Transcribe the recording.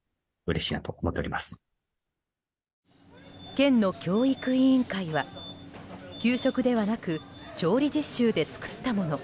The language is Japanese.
県の教育委員会は給食ではなく調理実習で作ったもの。